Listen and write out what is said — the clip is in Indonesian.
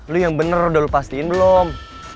lo yang bener udah lo pastiin belum